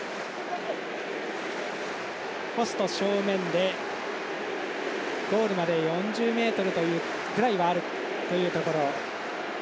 ポスト正面でゴールまで４０ｍぐらいはあるところ。